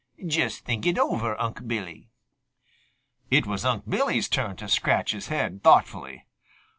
Just think it over, Unc' Billy." It was Unc' Billy's turn to scratch his head thoughtfully.